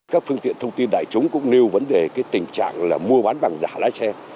các phương tiện thông tin đại chúng cũng nêu vấn đề tình trạng là mua bán vàng giả lái xe